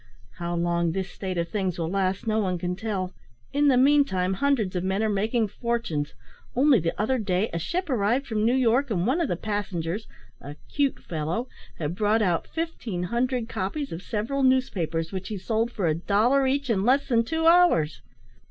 How long this state of things will last no one can tell; in the meantime, hundreds of men are making fortunes. Only the other day a ship arrived from New York, and one of the passengers, a `'cute' fellow, had brought out fifteen hundred copies of several newspapers, which he sold for a dollar each in less than two hours!